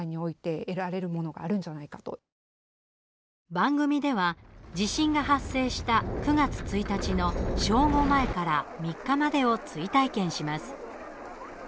番組では、地震が発生した９月１日の正午前から３日までを追体験します。